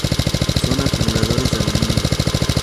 Son acumuladores de aluminio.